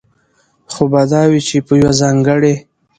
خو به دا وي، چې په يوه ځانګړي